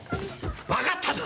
分かったぞ！